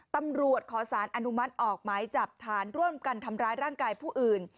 ตำรวจขอสารอนุมัติออกหมายจับฐานร่วมกันทำร้ายร่างกายผู้อื่น